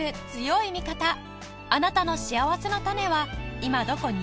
あなたのしあわせのたねは今どこに？